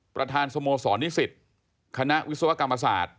ประธานสโมสรนิสิตคณะวิศวกรรมศาสตร์